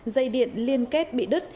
dây điện liên kết bị đứt